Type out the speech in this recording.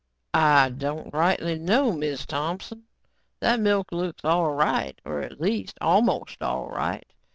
"I don't rightly know, Miz Thompson. That milk looks all right, or at least, almost all right.